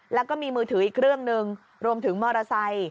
แล้วก็มีมือถืออีกเครื่องหนึ่งรวมถึงมอเตอร์ไซค์